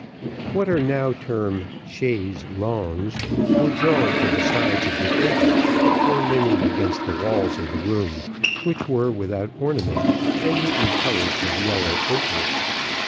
What are now termed chaises longues, were drawn to the sides of the table, or leaning against the walls of the room, which were without ornament, and neatly coloured with yellow ochre.